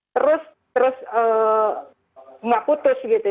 terus gak putus gitu